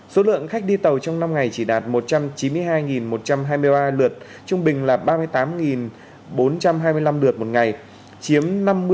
số lượng khách đi tàu trong năm ngày chỉ đạt một trăm chín mươi hai một trăm hai mươi ba lượt trung bình là ba mươi tám bốn trăm hai mươi năm lượt một ngày chiếm năm mươi